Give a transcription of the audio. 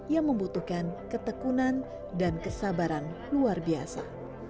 yang membutuhkan ketekunan dan kesabaran luar biasa